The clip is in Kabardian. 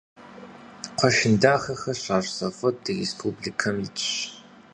Кхъуэщын дахэхэр щащӀ завод ди республикэм итщ.